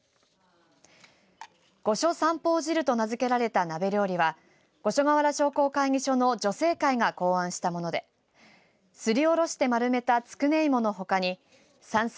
ごしょ山宝汁と名付けられた鍋料理は五所川原商工会議所の女性会が考案したものですりおろして丸めたつくねいものほかに山菜